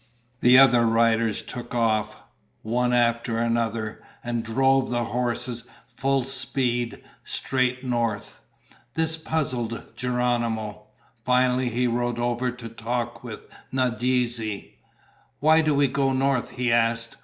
The other riders took off, one after another, and drove the horses full speed straight north. This puzzled Geronimo. Finally he rode over to talk with Nadeze. "Why do we go north?" he asked.